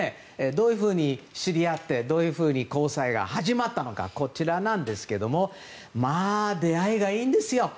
どういうふうに知り合ってどういうふうに交際が始まったのかこちらなんですが出会いがいいんですよ。